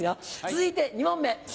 続いて２問目。